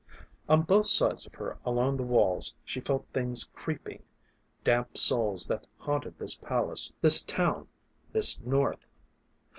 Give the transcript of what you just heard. On both sides of her along the walls she felt things creeping, damp souls that haunted this palace, this town, this North.